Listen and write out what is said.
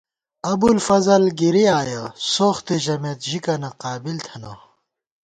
ابُوالفضل گِری آیَہ، سوختےژَمېت ژِکَنہ قابل تھنہ